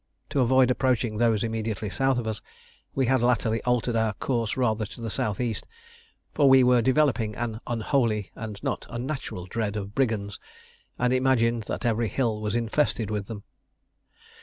To avoid approaching those immediately S. of us, we had latterly altered our course rather to the S.E.; for we were developing an unholy and not unnatural dread of brigands, and imagined that every hill was infested with them.